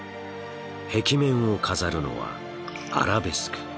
壁面を飾るのはアラベスク。